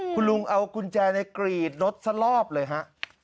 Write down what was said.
คุณลุงเอากุญแจในกรีดรถซะรอบเลยฮะ